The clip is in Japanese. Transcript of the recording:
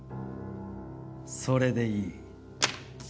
それでいい。